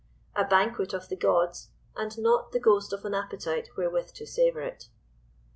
A banquet of the gods, and not the ghost of an appetite wherewith to savour it!